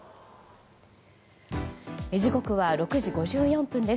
時刻は６時５４分です。